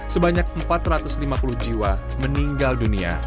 sebanyak empat ratus lima puluh jiwa meninggal dunia